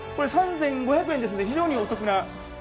３５００円ですので、非常にお得な。